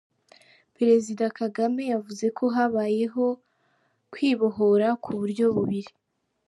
Perezida Kagame yavuze ko habayeho kwibohora ku buryo bubiri.